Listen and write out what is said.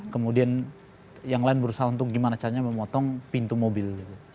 kemudian yang lain berusaha untuk gimana caranya memotong pintu mobil